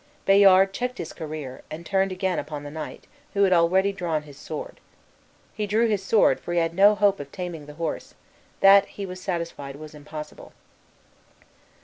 Bayard checked his career, and turned again upon the knight, who had already drawn his sword. He drew his sword, for he had no hope of taming the horse; that, he was satisfied, was impossible.